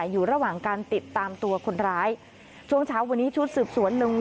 อยู่ระหว่างการติดตามตัวคนร้ายช่วงเช้าวันนี้ชุดสืบสวนลง